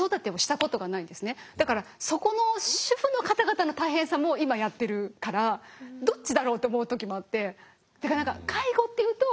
だからそこの主婦の方々の大変さも今やってるからどっちだろうって思う時もあって。